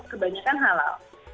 nah itu kebanyakan halal